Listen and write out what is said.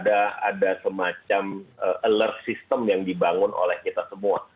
ada semacam alert system yang dibangun oleh kita semua